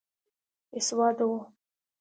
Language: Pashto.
بېسواده وو.